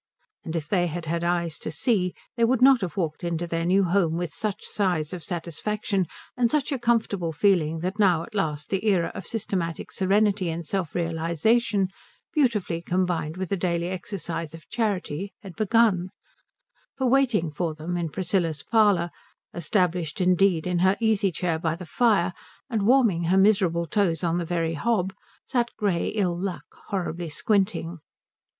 And if they had had eyes to see they would not have walked into their new home with such sighs of satisfaction and such a comfortable feeling that now at last the era of systematic serenity and self realization, beautifully combined with the daily exercise of charity, had begun; for waiting for them in Priscilla's parlour, established indeed in her easy chair by the fire and warming her miserable toes on the very hob, sat grey Ill Luck horribly squinting.